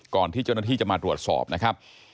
ที่เจ้าหน้าที่จะมาตรวจสอบนะครับ